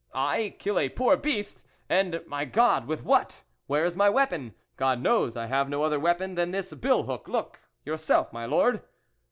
I, kill a poor beast ! and, my God, with what ? Where is my weapon ? God knows I have no other weapon than this bill hook. Look yourself, my Lord."